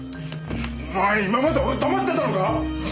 お前今まで俺を騙してたのか？